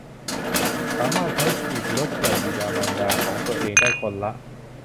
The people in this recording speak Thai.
สามารถใช้สิทธิ์ลดหย่อนบิดามารดาของตัวเองได้คนละ